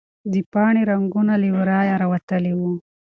د پاڼې رګونه له ورایه راوتلي وو.